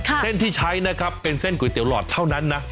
เส้นที่ใช้นะครับเป็นเส้นก๋วยเตี๋ยหลอดเท่านั้นนะ